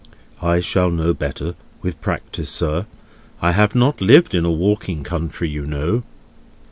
"I shall know better, with practice, sir. I have not lived in a walking country, you know."